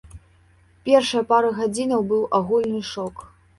Першыя пару гадзінаў быў агульны шок.